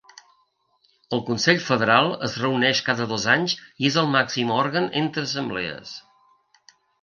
El Consell Federal es reuneix cada dos anys i és el màxim òrgan entre assemblees.